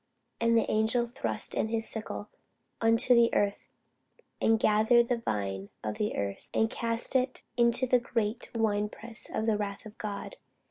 And the angel thrust in his sickle into the earth, and gathered the vine of the earth, and cast it into the great winepress of the wrath of God.